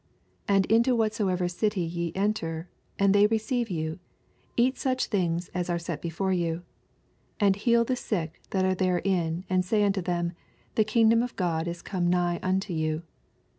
8 And into whatsoever city ve enter, and they receive yea, eat sacn things as are set before you : 9 And heal the sick that are there m, and say unto them, The kingdom of Ood is come nigh unto you.